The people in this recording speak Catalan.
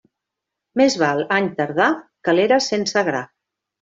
Més val any tardà que l'era sense gra.